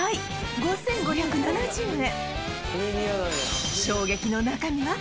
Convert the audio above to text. ５５７０円